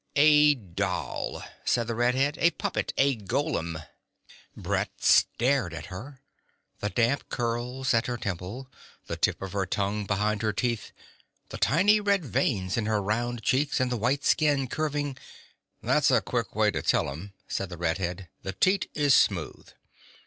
"A doll," said the red head. "A puppet; a golem." Brett stared at her, the damp curls at her temple, the tip of her tongue behind her teeth, the tiny red veins in her round cheeks, and the white skin curving ... "That's a quick way to tell 'em," said the red head. "The teat is smooth."